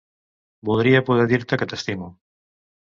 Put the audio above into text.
Voldria poder dir-te que t'estimo.